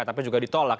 tapi juga ditolak